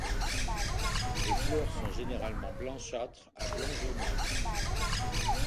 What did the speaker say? Les fleurs sont généralement blanchâtres à blanc jaunâtre.